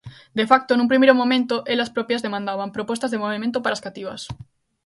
De facto, nun primeiro momento elas propias demandaban "propostas de movemento" para as cativas.